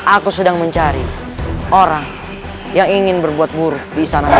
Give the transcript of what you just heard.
aku sedang mencari orang yang ingin berbuat buruk di sana